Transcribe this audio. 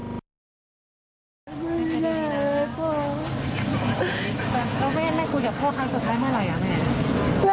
แล้วแม่ได้คุยกับพ่อครั้งสุดท้ายเมื่อไหร่อ่ะแม่